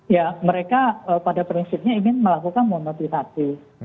ya mereka pada prinsipnya ingin melakukan monotisasi